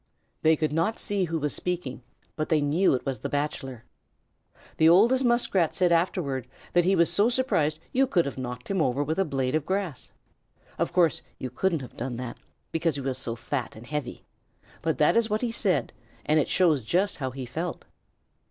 They could not see who was speaking, but they knew it was the Bachelor. The oldest Muskrat said afterward that he was so surprised you could have knocked him over with a blade of grass. Of course, you couldn't have done it, because he was so fat and heavy, but that is what he said, and it shows just how he felt.